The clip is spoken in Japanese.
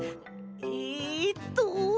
えっと。